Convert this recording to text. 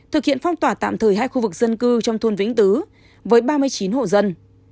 thực hiện phong tỏa tạm thời hai khu vực dân cư trong thôn vĩnh tứ với ba mươi chín hộ dân